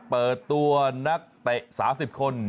เปิดตัวนักเตะ๓๐คน